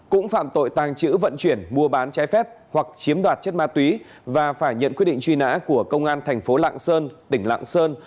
cũng phạm tội tàng trữ vận chuyển mua bán trái phép hoặc chiếm đoạt chất ma túy và phải nhận quyết định truy nã của công an thành phố lạng sơn tỉnh lạng sơn